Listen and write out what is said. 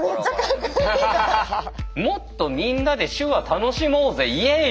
「もっとみんなで手話楽しもうぜイエイ！」